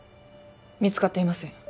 見つかっていません